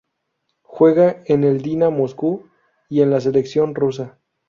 Juega en el Dina Moscú, y en la Selección Rusa.